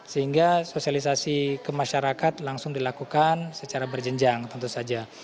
sehingga sosialisasi ke masyarakat langsung dilakukan secara berjenjang tentu saja